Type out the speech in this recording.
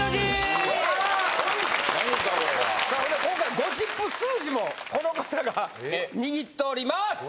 今回ゴシップ数字もこの方が握っております！